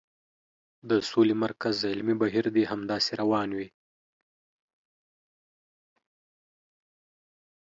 د سولې مرکز علمي بهیر دې همداسې روان وي.